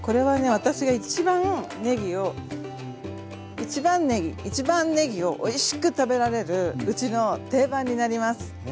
私が一番ねぎを一番ねぎ一番ねぎをおいしく食べられるうちの定番になります。